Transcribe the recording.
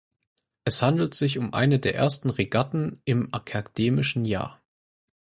Es handelt sich um eine der ersten Regatten im akademischen Jahr.